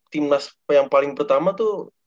timnas yang paling pertama tuh